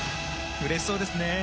うれしそうですね。